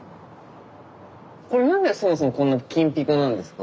これ何でそもそもこんな金ピカなんですか？